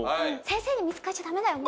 先生に見付かっちゃダメだよ。